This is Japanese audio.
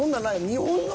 「日本の」？